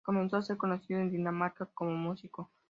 Comenzó a ser conocido en Dinamarca como músico.